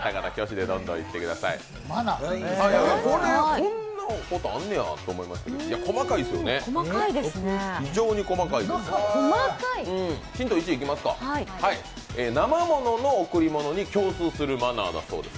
こんなことあんねやと思いましたけど、細かいですよね、非常に細かいです。